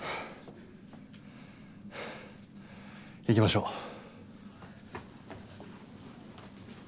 行きましょう。